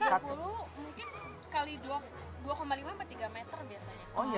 tiga puluh mungkin kali dua lima tiga meter biasanya